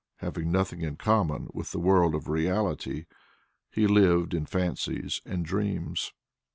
Having nothing in common with the world of reality, he lived in fancies and dreams.